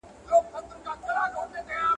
• يو له لوږي مړ کېدی، بل ئې سر ته پراټې لټولې.